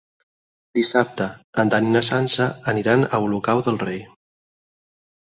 Dissabte en Dan i na Sança aniran a Olocau del Rei.